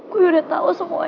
gue udah tau semuanya